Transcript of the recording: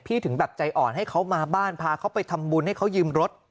ถึงแบบใจอ่อนให้เขามาบ้านพาเขาไปทำบุญให้เขายืมรถ